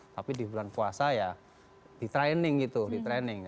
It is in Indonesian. tapi di bulan puasa ya di training gitu di training